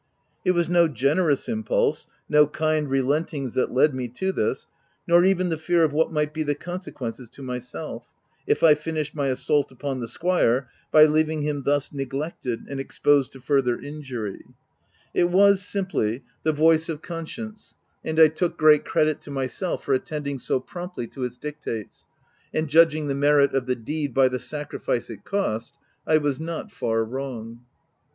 It was no generous impulse 240 THE TENANT no kind relentings that led me to this— nor even the fear of what might be the consequences to myself, if I finished my assault upon the squire by leaving him thus neglected, and exposed to further injury ; it was, simply, the voice of conscience ; and I took great credit to myself for attending so promptly to its dictates — and judging the merit of the deed by the sacrifice it cost, I was not far wrong.